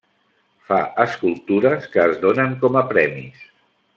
Fa escultures que es donen com a premis.